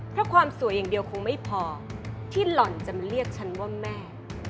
เพราะความสวยอย่างเดียวคงไม่พอที่หล่อนจะมาเรียกฉันว่าแม่